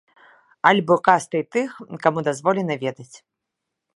Альбо кастай тых, каму дазволена ведаць.